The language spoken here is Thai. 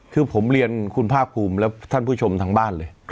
คือผมเรียนคุณภาคภูมิและท่านผู้ชมทางบ้านเลย